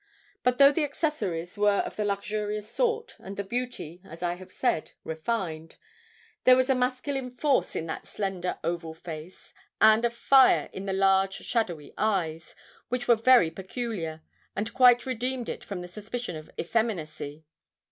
But though the accessories were of the luxurious sort, and the beauty, as I have said, refined, there was a masculine force in that slender oval face, and a fire in the large, shadowy eyes, which were very peculiar, and quite redeemed it from the suspicion of effeminacy.